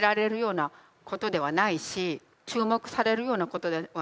注目されるようなことではない。